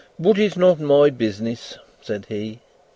"But it's not my business," said he.